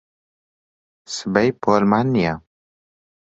سبەی پۆلمان نییە.